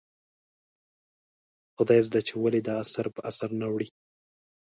خدایزده چې ولې دا اثر په اثر نه اوړي ؟